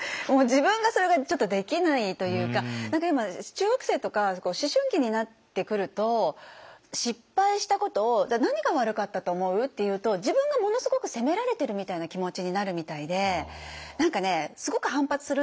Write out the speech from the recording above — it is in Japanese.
自分がそれができないというか中学生とか思春期になってくると失敗したことを「何が悪かったと思う？」って言うと自分がものすごく責められてるみたいな気持ちになるみたいで何かねすごく反発するんですよ。